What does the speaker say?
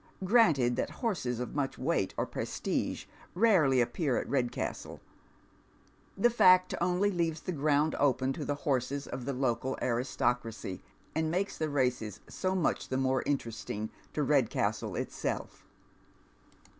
Granted that horses of much weight ov prestige rarely appear at Redcastle ; the fact only leaves the ground open to the horses of the local aristocracy, and makes the races so much the more interesting to Redcastle itsel f.